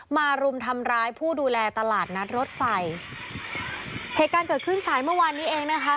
รุมทำร้ายผู้ดูแลตลาดนัดรถไฟเหตุการณ์เกิดขึ้นสายเมื่อวานนี้เองนะคะ